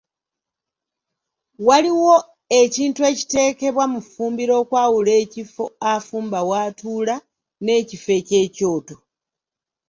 Waliwo ekintu ekiteekebwa mu ffumbiro okwawula ekifo afumba w’atuula n’ekifo eky’ekyoto.